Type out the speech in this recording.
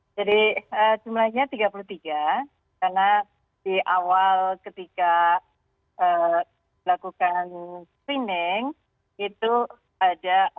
jadi jumlahnya tiga puluh tiga karena di awal ketika dilakukan screening itu ada empat puluh delapan